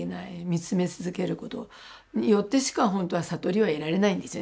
見つめ続けることによってしかほんとは悟りは得られないんですよね